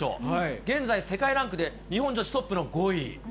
現在、世界ランクで日本女子トップの５位。